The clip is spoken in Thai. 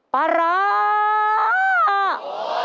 ปลาร้า